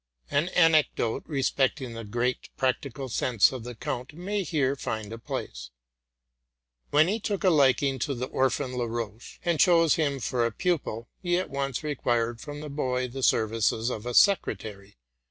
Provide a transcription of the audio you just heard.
An anecdote respecting the great practical sense of the count may here find a place. When he took a liking to the orphan Laroche, and chose him for a pupil, he at once required from the boy the services of a secretary.